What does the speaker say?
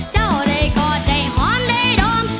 เจ้าได้กอดได้หอมได้ดม